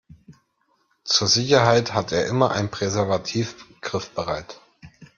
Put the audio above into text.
Zur Sicherheit hat er immer ein Präservativ griffbereit.